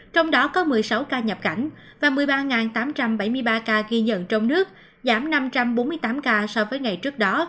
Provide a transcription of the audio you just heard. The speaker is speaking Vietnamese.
trong đó có một mươi sáu ca nhập cảnh và một mươi ba tám trăm bảy mươi ba ca ghi nhận trong nước giảm năm trăm bốn mươi tám ca so với ngày trước đó